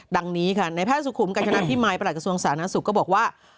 ดังนี้ค่ะในแพทย์สุขุมกัญชนาภิมัยประหลักส่วนศาลนักศึกษ์ก็บอกว่า